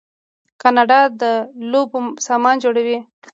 کاناډا د لوبو سامان جوړوي.